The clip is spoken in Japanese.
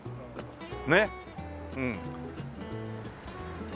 ねっうん。